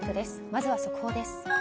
まずは速報です。